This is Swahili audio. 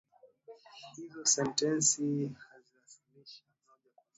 Hizo sentensi huwasilisha wazo moja kwa kishazi huru.